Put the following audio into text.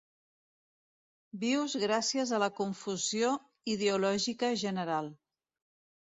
Vius gràcies a la confusió ideològica general.